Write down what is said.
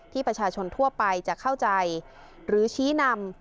ประชาชนทั่วไปจะเข้าใจหรือชี้นำ